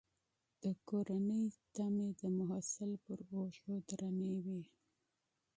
د کورنۍ تمې د محصل پر اوږو درنې وي.